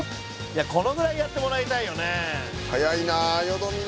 「このぐらいやってもらいたいよね」